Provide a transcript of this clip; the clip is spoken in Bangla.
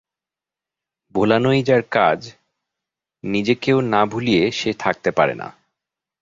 ভোলানোই যার কাজ নিজেকেও না ভুলিয়ে সে থাকতে পারে না।